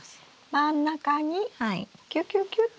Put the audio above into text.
真ん中にキュキュキュと。